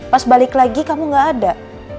pas balik lagi kamu gak ada